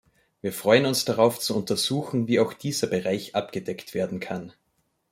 Wir freuen uns darauf zu untersuchen, wie auch dieser Bereich abgedeckt werden kann.